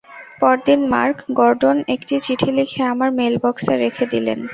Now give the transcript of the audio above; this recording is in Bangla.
পরদিন মার্ক গর্ডন একটি চিঠি লিখে আমার মেইল বক্সে রেখে দিলেন।